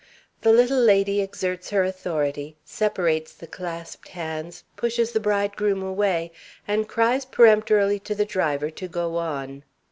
The little lady exerts her authority, separates the clasped hands, pushes the bridegroom away, and cries peremptorily to the driver to go on.